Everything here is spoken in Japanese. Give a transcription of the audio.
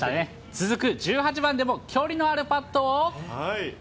続く１８番でも、距離のあるパットを。